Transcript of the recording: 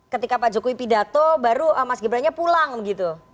ketika pak jokowi pidato baru mas ghibrennya pulang gitu